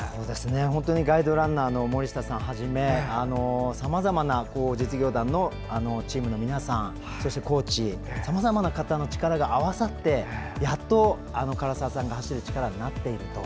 ガイドランナーの森下さんをはじめさまざまな実業団のチームの皆さんそしてコーチさまざまな方の力が合わさって、やっと唐澤さんが走る力になっていると。